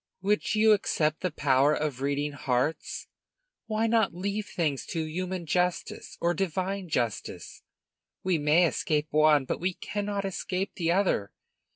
"Would you accept the power of reading hearts? Why not leave things to human justice or divine justice? We may escape one but we cannot escape the other.